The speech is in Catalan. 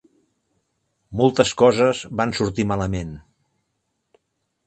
Moltes coses van sortir malament.